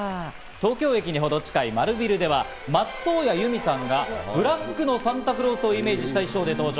東京駅にほど近い丸ビルでは松任谷由実さんがブラックのサンタクロースをイメージした衣装で登場。